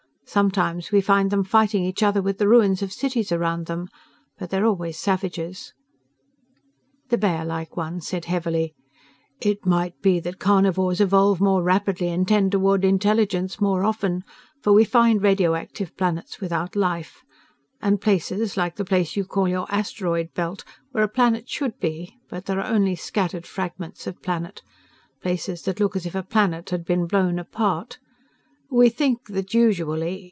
Sometimes we find them fighting each other with the ruins of cities around them, but they are always savages." The bearlike one said heavily, "It might be that carnivores evolve more rapidly and tend toward intelligence more often, for we find radioactive planets without life, and places like the place you call your asteroid belt, where a planet should be but there are only scattered fragments of planet, pieces that look as if a planet had been blown apart. We think that usually